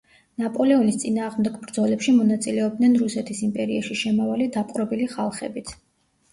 ნაპოლეონის წინააღმდეგ ბრძოლებში მონაწილეობდნენ რუსეთის იმპერიაში შემავალი დაპყრობილი ხალხებიც.